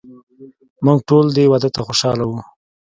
موږ ټول دې واده ته خوشحاله وو.